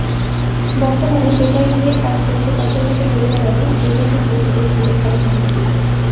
বর্তমানে PETA India কাজ করছে পথেঘাটে ঘুরে বেড়ানো গৃহহীন পশুদের সুরক্ষার জন্য।